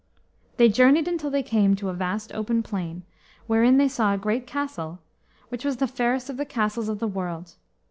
They journeyed until they came to a vast open plain, wherein they saw a great castle, which was the fairest of the castles of the world.